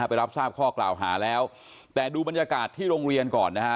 ไปรับทราบข้อกล่าวหาแล้วแต่ดูบรรยากาศที่โรงเรียนก่อนนะฮะ